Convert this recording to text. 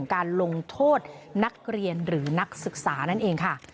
การลงโทษนักเรียนหรือนักศึกษานั่นเองค่ะ